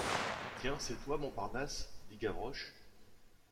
Tiens, c’est toi, Montparnasse ? dit Gavroche.